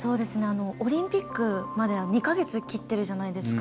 オリンピックまで２か月切ってるじゃないですか。